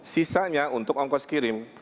sisanya untuk ongkos kirim